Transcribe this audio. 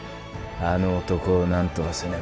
あの男をなんとかせねば。